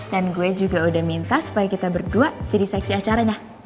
dan gue juga udah minta supaya kita berdua jadi seksi acaranya